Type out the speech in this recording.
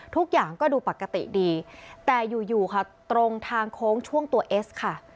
ทุกอย่างก็ดูปกติดีแต่อยู่ค่ะตรงทางโค้งช่วงตัวเอสค่ะ